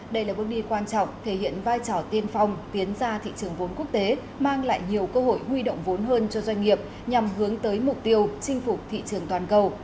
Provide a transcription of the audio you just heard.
đây là bước đi quan trọng thể hiện vai trò tiên phong tiến ra thị trường vốn quốc tế mang lại nhiều cơ hội huy động vốn hơn cho doanh nghiệp nhằm hướng tới mục tiêu chinh phục thị trường toàn cầu